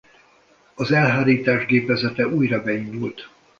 Az elhárítás gépezete újra beindult.